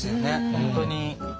本当に。